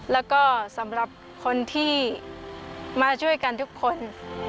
แล้วก็สำหรับคนที่มาช่วยกันทุกคน